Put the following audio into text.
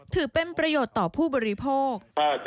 ถือเป็นประโยชน์ต่อผู้บริโภค